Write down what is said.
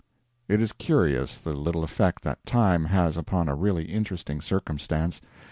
It it curious, the little effect that time has upon a really interesting circumstance.